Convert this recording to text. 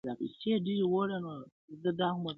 تا د هوښ په کور کي بې له غمه څه لیدلي دي!